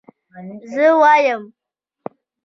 زه وايم